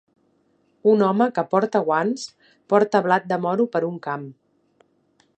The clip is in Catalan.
Un home que porta guants porta blat de moro per un camp.